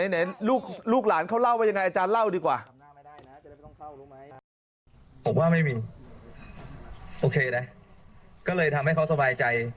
ไหนลูกหลานเขาเล่าว่ายังไงอาจารย์เล่าดีกว่า